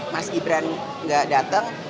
mas gibran tidak datang